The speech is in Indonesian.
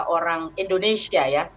orang indonesia ya